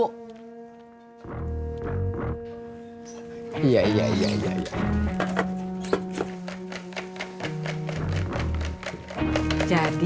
kita kalau mau ke rumah kita harus berjalan